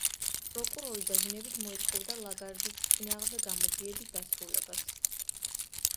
პროკურორი დაჟინებით მოითხოვდა ლაგარდის წინააღმდეგ გამოძიების დასრულებას.